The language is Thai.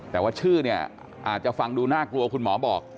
แต่ว่าชื่อเนี่ยอาจจะฟังดูน่ากลัวคุณหมอบอก